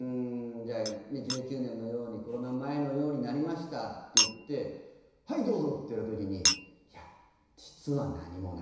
１９年のようにコロナ前のようになりましたっていって「はいどうぞ」って言われた時にいや。